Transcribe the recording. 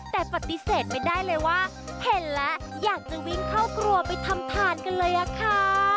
แต่ปฏิเสธไม่ได้เลยว่าเห็นแล้วอยากจะวิ่งเข้าครัวไปทำทานกันเลยอะค่ะ